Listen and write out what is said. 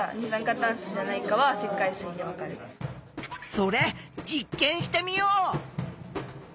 それ実験してみよう！